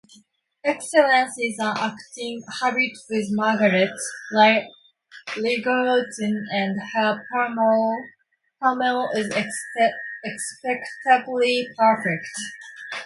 Excellence is an acting habit with Margaret Leighton, and her Pamela is expectably perfect.